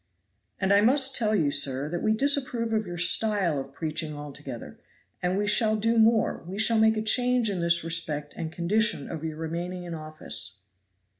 "And I must tell you, sir, that we disapprove of your style of preaching altogether, and we shall do more, we shall make a change in this respect the condition of your remaining in office."